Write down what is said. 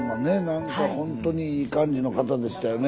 何かほんとにいい感じの方でしたよね。